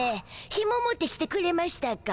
ひも持ってきてくれましゅたか？